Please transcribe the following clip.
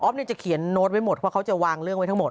อ๊อฟเนี่ยจะเขียนโน๊ตไม่หมดเพราะว่าเขาจะวางเรื่องไว้ทั้งหมด